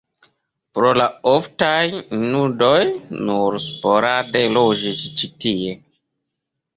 Pro la oftaj inundoj nur sporade loĝis ĉi tie.